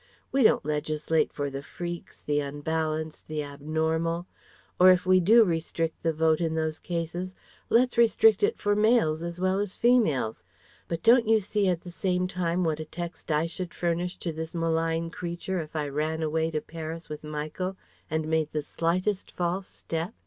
We don't legislate for the freaks, the unbalanced, the abnormal; or if we do restrict the vote in those cases, let's restrict it for males as well as females But don't you see at the same time what a text I should furnish to this malign creature if I ran away to Paris with Michael, and made the slightest false step